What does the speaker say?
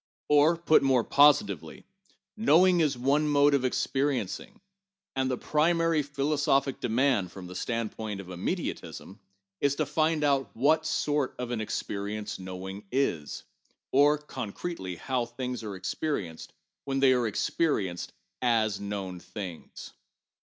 Or, put more positively, knowing is one mode of experiencing, and the primary philosophic demand (from the stand point of immediatism) is to find out what sort of an experience knowing isŌĆö or, concretely how things are experienced when they are experienced as known things.